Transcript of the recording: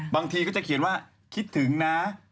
บางทีก็จะเขียนว่าคิดถึงนะ